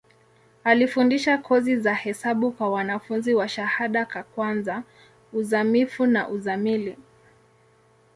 Alifundisha kozi za hesabu kwa wanafunzi wa shahada ka kwanza, uzamivu na uzamili.